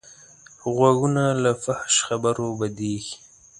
غوږونه له فحش خبرو بدېږي